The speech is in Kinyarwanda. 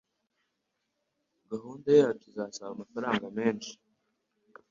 Gahunda yacu izasaba amafaranga menshi.